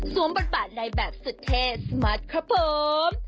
สวมบัดบาดในแบบสุดเท่สมัดครับผม